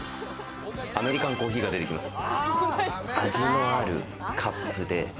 アメリカンコーヒーが出てきます。